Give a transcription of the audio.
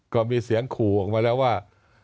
ก็มีเสียงขู่ออกมาแล้วว่า